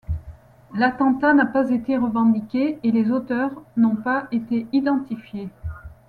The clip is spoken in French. L’attentat n’a pas été revendiqué, et les auteurs n’ont pas été identifiés.